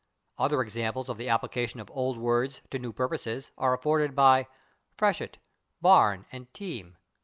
" Other examples of the application of old words to new purposes are afforded by /freshet/, /barn/ and /team